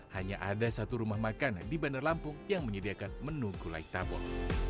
hanya ada satu rumah makan di bandar lampung yang menyediakan menu gulai tabon